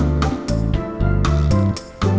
yang kalian lakukan untuk anesthesia first